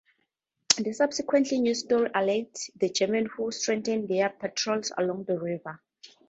The subsequent news story alerted the Germans who strengthened their patrols along the river.